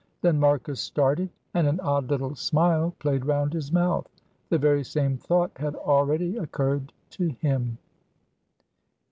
Then Marcus started, and an odd little smile played round his mouth. The very same thought had already occurred to him.